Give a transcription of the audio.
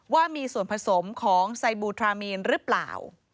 ว่ามีส่วนผสมของไซบูทรามีนหรือเปล่า